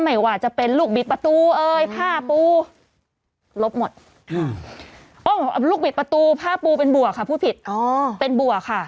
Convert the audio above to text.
ไม่ว่าจะเป็นลูกบิดประตูเอ่ยผ้าปูลบหมดอืมอ้อลูกบิดประตูผ้าปูเป็นบวกค่ะ